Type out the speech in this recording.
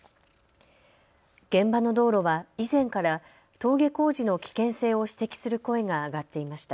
現場の道路は以前から登下校時の危険性を指摘する声が上がっていました。